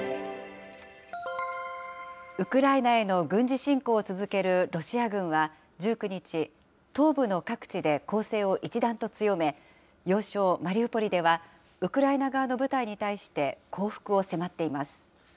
ウクライナへの軍事侵攻を続けるロシア軍は、１９日、東部の各地で攻勢を一段と強め、要衝マリウポリでは、ウクライナ側の部隊に対して降伏を迫っています。